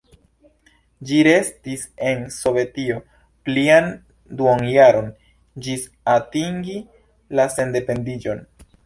Ĝi restis en Sovetio plian duonjaron ĝis atingi la sendependiĝon.